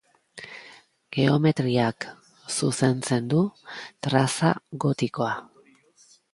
Geometriak zuzentzen du traza gotikoa.